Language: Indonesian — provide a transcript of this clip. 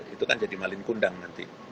itu kan jadi malin kundang nanti